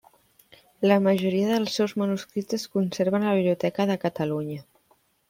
La majoria dels seus manuscrits es conserven a la Biblioteca de Catalunya.